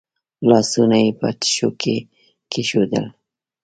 لاسونه یې په تشو کې کېښودل.